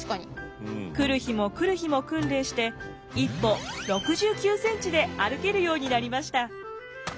来る日も来る日も訓練して１歩６９センチで歩けるようになりました。